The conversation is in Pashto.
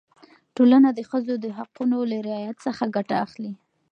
ټولنه د ښځو د حقونو له رعایت څخه ګټه اخلي.